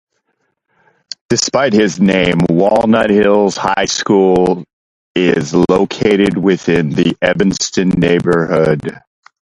Despite its name, Walnut Hills High Schools is located within the Evanston neighborhood.